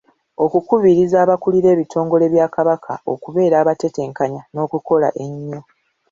Okukubiriza abakulira ebitongole bya Kabaka okubeera abatetenkanya n’okukola ennyo.